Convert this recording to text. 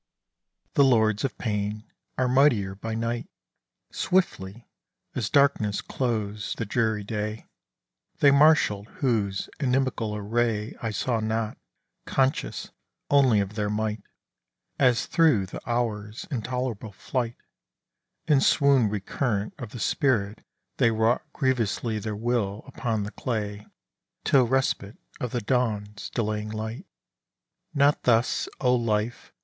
The Lords of Pain are mightier by night: Swiftly, as darkness closed the dreary day, They marshalled whose inimical array I saw not, conscious only of their might, As, thro' the hours' intolerable flight And swoon recurrent of the spirit, they Wrought grievously their will upon the clay, Till respite of the dawn's delaying light. Not thus, O Life!